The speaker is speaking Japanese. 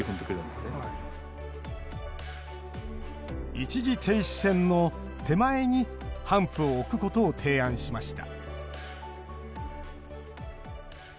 一時停止線の手前に、ハンプを置くことを提案しました